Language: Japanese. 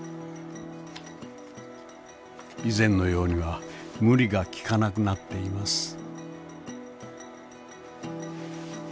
以前のようには無理がきかなくなっています。